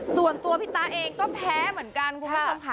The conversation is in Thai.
ส่วนตัวพี่ตาเองก็แพ้เหมือนกันคุณผู้ชมค่ะ